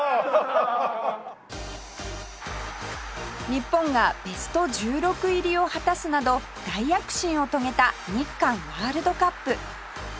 日本がベスト１６入りを果たすなど大躍進を遂げた日韓ワールドカップ